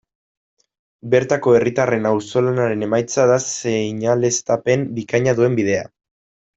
Bertako herritarren auzolanaren emaitza da seinaleztapen bikaina duen bidea.